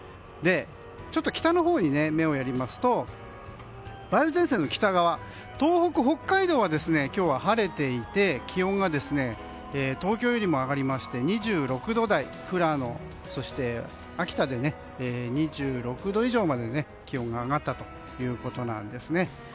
ちょっと北のほうに目をやりますと梅雨前線の北側東北、北海道は今日は晴れていて、気温が東京よりも上がりまして富良野と秋田で２６度以上まで気温が上がりました。